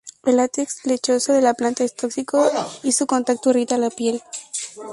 El latex lechoso de la planta es tóxico y su contacto irrita la piel.